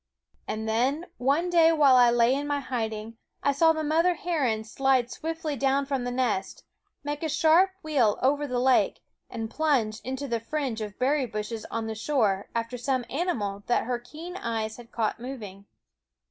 And then, one day while I lay in my hiding, I saw the mother heron slide swiftly down from the nest, make a sharp wheel over the lake, and plunge into the fringe of berry bushes on the shore after some animal that her keen eyes had caught moving.